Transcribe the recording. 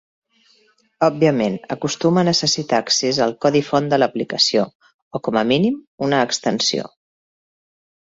Òbviament, acostuma a necessitar accés al codi font de l'aplicació (o com a mínim, una extensió).